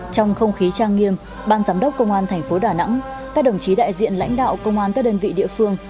trong không khí trang nghiêm ban giám đốc công an thành phố đà nẵng các đồng chí đại diện lãnh đạo công an các đơn vị địa phương